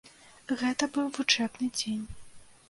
Гэта быў вучэбны дзень.